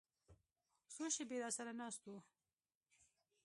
څو شېبې راسره ناست و.